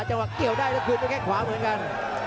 จะเกี่ยวได้เท่าคลื่นกับแค่ขวาเหมือนกัน